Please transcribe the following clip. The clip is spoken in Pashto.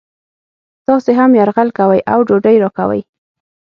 تاسې هم یرغل کوئ او هم ډوډۍ راکوئ